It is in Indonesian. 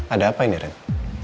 ada apa ini rand